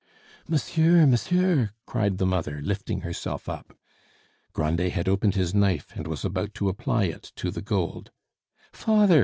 "Monsieur, monsieur!" cried the mother, lifting herself up. Grandet had opened his knife, and was about to apply it to the gold. "Father!"